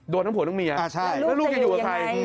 โดนทั้งผัวทั้งเมียแล้วลูกจะอยู่กับใคร